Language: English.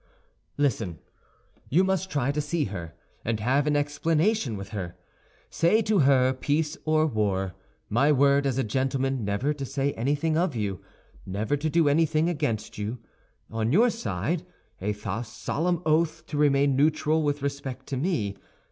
"Listen! You must try to see her, and have an explanation with her. Say to her: 'Peace or war! My word as a gentleman never to say anything of you, never to do anything against you; on your side, a solemn oath to remain neutral with respect to me.